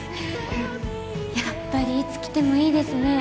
やっぱりいつ来てもいいですね